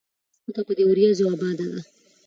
ځمکه په دې وريځو اباده ده